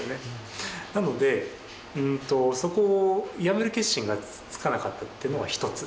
なのでそこを辞める決心がつかなかったというのが一つ。